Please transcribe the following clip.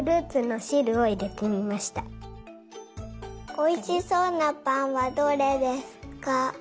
おいしそうなぱんはどれですか？